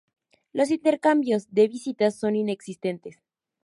Los intercambios de visitas son inexistentes.